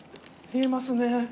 「冷えますね」